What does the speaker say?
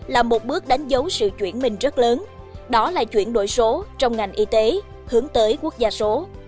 là một bước đánh dấu sự chuyển mình rất lớn đó là chuyển đổi số trong ngành y tế hướng tới quốc gia số